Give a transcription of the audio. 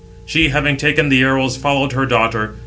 She, having taken the arrows, followed her daughter.